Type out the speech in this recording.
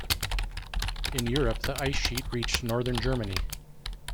In Europe, the ice sheet reached northern Germany.